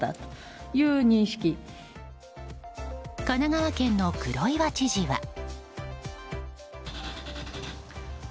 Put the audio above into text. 神奈川県の黒岩知事は。